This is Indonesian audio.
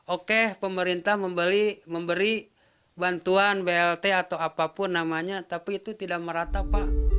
oke pemerintah memberi bantuan blt atau apapun namanya tapi itu tidak merata pak